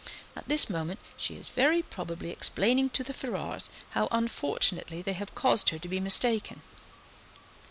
At this moment she is very probably explaining to the Ferrars how unfortunately they have caused her to be mistaken."